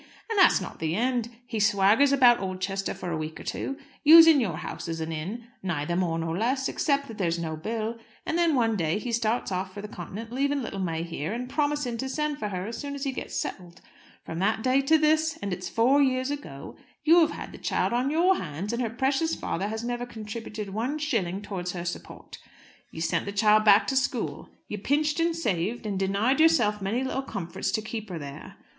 And that's not the end. He swaggers about Oldchester for a week or two, using your house as an inn, neither more nor less except that there's no bill; and then one day he starts off for the Continent, leaving little May here, and promising to send for her as soon as he gets settled. From that day to this, and it's four years ago, you have had the child on your hands, and her precious father has never contributed one shilling towards her support. You sent the child back to school. You pinched, and saved, and denied yourself many little comforts to keep her there.